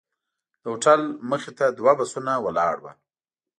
د هوټل مخې ته دوه بسونه ولاړ وو.